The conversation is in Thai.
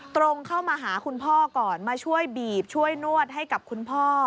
ตรงเข้ามาหาคุณพ่อก่อนมาช่วยบีบช่วยนวดให้กับคุณพ่อ